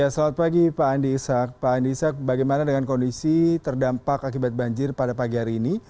selamat pagi pak andi ishak pak andisa bagaimana dengan kondisi terdampak akibat banjir pada pagi hari ini